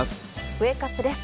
ウェークアップです。